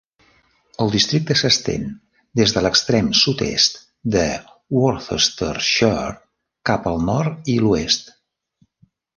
El districte s'estén des de l'extrem sud-est de Worcestershire cap al nord i l'oest.